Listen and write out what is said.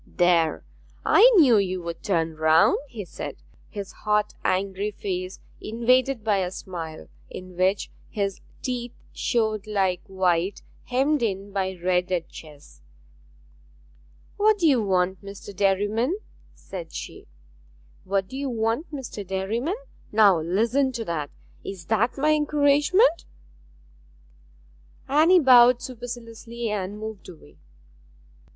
'There, I knew you would turn round!' he said, his hot angry face invaded by a smile in which his teeth showed like white hemmed in by red at chess. 'What do you want, Mr. Derriman?' said she. '"What do you want, Mr. Derriman?" now listen to that! Is that my encouragement?' Anne bowed superciliously, and moved away.